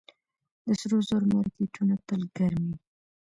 د سرو زرو مارکیټونه تل ګرم وي